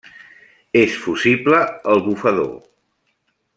És fusible al bufador.